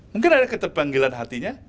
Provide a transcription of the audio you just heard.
mungkin ada ketepanggilan hatinya